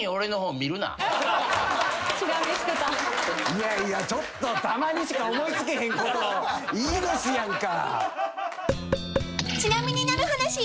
いやいやちょっとたまにしか思い付けへんこといいですやんか。